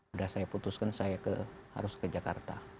udah saya putuskan saya harus ke jakarta